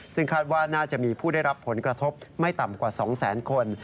ซึ่งคาดว่าน่าจะมีผู้ได้รับผลกระทบไม่ต่ำกว่า๒แสนคน